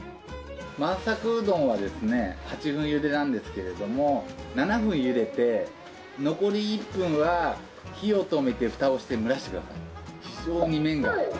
満さくうどんはですね８分ゆでなんですけれども７分ゆでて残り１分は火を止めてフタをして蒸らしてください。